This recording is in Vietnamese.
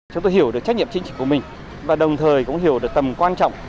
chúng tôi hiểu được trách nhiệm chính trị của mình và đồng thời cũng hiểu được tầm quan trọng